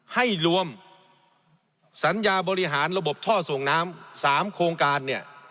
ให้รวมสัญญาบริหารระบบท่อส่งน้ำ๓โครงการเนี่ย